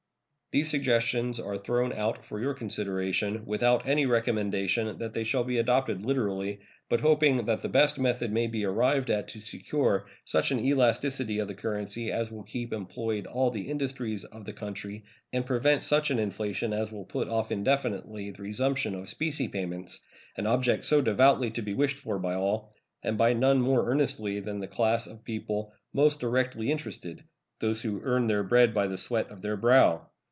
These suggestions are thrown out for your consideration, without any recommendation that they shall be adopted literally, but hoping that the best method may be arrived at to secure such an elasticity of the currency as will keep employed all the industries of the country and prevent such an inflation as will put off indefinitely the resumption of specie payments, an object so devoutly to be wished for by all, and by none more earnestly than the class of people most directly interested those who "earn their bread by the sweat of their brow."